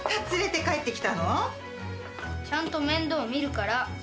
ちゃんと面倒見るから。